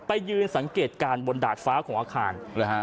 ไปยืนสังเกตการณ์บนดาดฟ้าของอาคาร